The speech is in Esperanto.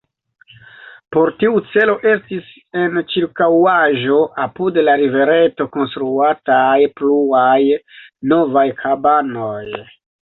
Por tiu celo estis en ĉirkaŭaĵo, apud la rivereto, konstruataj pluaj novaj kabanoj.